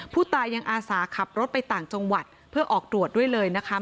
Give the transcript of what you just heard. ผู้ตายยังอาสาขับรถไปต่างจังหวัดเพื่อออกตรวจด้วยเลยนะคะ